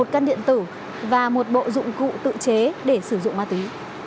một cân điện tử và một bộ dụng cụ tự chế để sử dụng ma túy